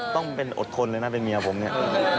ต้องเป็นอดทนเลยนะเป็นเมียผมเนี่ย